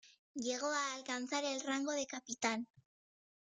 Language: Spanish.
Llegó a alcanzar el rango de capitán.